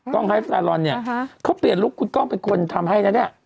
กล้องไฮฟสาลอนนี่เขาเปลี่ยนลุกคุณกล้องเป็นคนทำให้นั่น